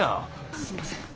すんません。